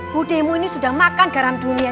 budimu ini sudah makan garam dunia